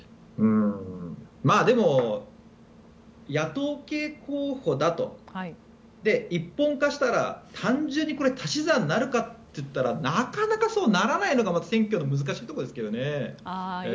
でも、野党系候補だと。で、一本化したら単純に足し算になるかといったらなかなかそうならないのが選挙の難しいところですけどね。